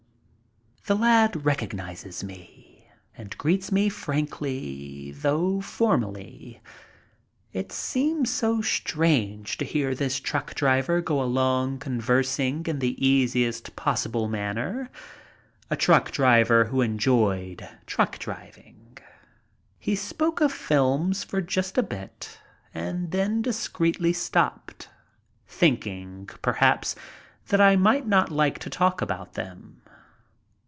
The lad recognizes me and greets me frankly, though formally. It seems so strange to me to hear this truck driver go along conversing in the easiest possible manner. A truck driver who enjoyed truck driving. He spoke of films for just a bit and then discreetly stopped, thinking, perhaps, that I might not like to talk about them.